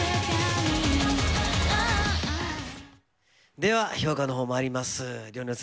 では、評価のほうまいります。